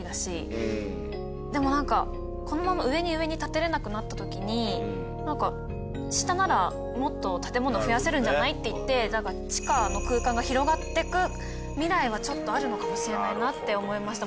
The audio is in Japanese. でもなんかこのまま上に上に建てれなくなった時になんか下ならもっと建物増やせるんじゃない？っていって地下の空間が広がっていく未来はちょっとあるのかもしれないなって思いました。